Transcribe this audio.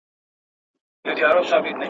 هره ورځ لکه لېندۍ پر ملا کږېږم.